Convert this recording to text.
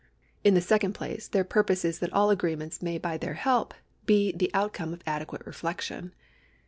In the second place their purpose is that all agreements may by their help be the outcome of adequate reflection.